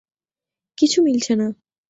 কিছু মিলছে না।